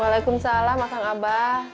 waalaikumsalam makam abah